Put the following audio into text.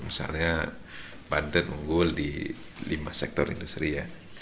misalnya banten unggul di lima sektor industri ya